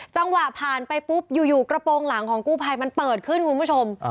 จังหวะผ่านไปปุ๊บอยู่กระโปรงหลังของกู้ภัยมันเปิดขึ้นคุณผู้ชม